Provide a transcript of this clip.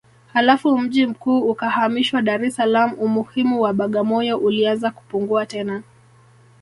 Halafu mji mkuu ukahamishwa Dar es Salaam Umuhimu wa Bagamoyo ulianza kupungua tena